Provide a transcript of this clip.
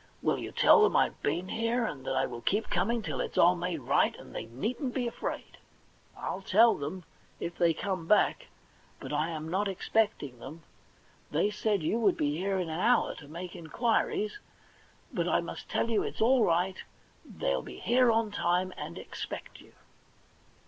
Will you tell them I've been here, and that I wiU keep coming till it's all made right, and they needn't be afraid ?'* I'll tell them, if they come back, but I am not expecting them. They said you would be here in an hour to make inquiries, but I must tell you it's aU right, they'll be here on time and expect you.'